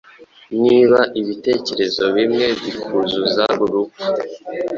Niba ibitekerezo bimwe bikuzuza urupfu,